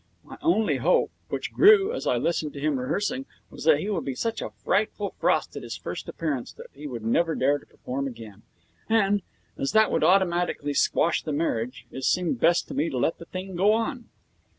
My only hope, which grew as I listened to him rehearsing, was that he would be such a frightful frost at his first appearance that he would never dare to perform again; and, as that would automatically squash the marriage, it seemed best to me to let the thing go on.